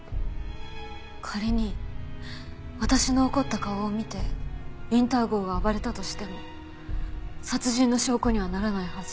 仮に私の怒った顔を見てウィンター号が暴れたとしても殺人の証拠にはならないはず。